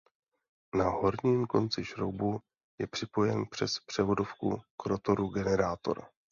Na horním konci šroubu je připojen přes převodovku k rotoru generátor.